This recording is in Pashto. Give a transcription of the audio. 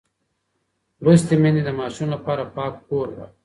لوستې میندې د ماشوم لپاره پاک کور غواړي.